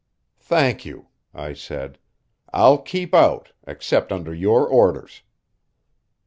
"Thank you," I said. "I'll keep out, except under your orders."